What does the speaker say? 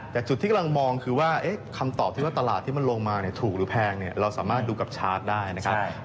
แต่จุดที่กำลังมองคือว่าคำตอบที่ว่าตลาดที่มันลงมาถูกหรือแพงเราสามารถดูกับชาร์จได้นะครับ